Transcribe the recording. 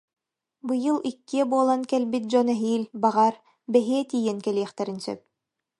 Быйыл иккиэ буолан кэлбит дьон эһиил, баҕар, бэһиэ тиийэн кэлиэхтэрин сөп